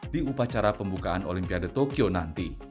di upacara pembukaan olimpiade tokyo nanti